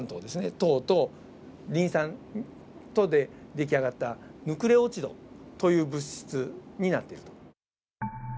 糖とリン酸とで出来上がったヌクレオチドという物質になっていると。